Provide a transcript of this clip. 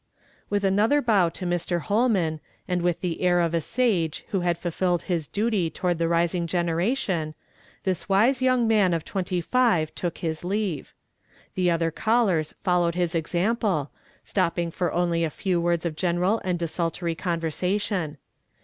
With another bow for jMr. Ilolman, and with the air of a sage who had fulfilled his mtj to ward the rising generatiim, this wise young man of twenty five took his leave. The other callei s followed his example, stopping for only a few words of general and desultory conversation.